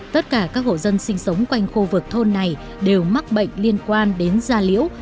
tất cả các hộ dân sinh sống quanh khu vực thôn này đều mắc bệnh liên quan đến da liễu